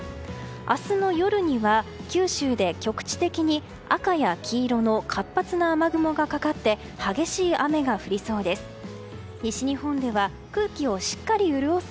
明日の夜には九州で局地的に、赤や黄色の活発な雨雲がかかって激しい雨が降りそうです。